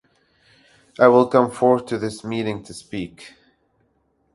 I will come forth to this meeting to speak.